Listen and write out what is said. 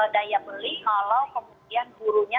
daya beli kalau kemudian gurunya